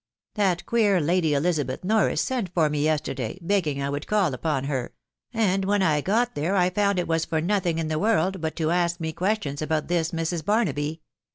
.•• That queer Lady Elizabeth Norris sent for me yesterday, begging I would call upon her ; and when I got there 1 found it was for nothing in the world but to ask me questions about this Mrs. Barnaby.